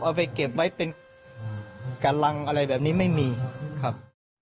เอาไปเก็บไว้เป็นกำลังอะไรแบบนี้ไม่มีครับ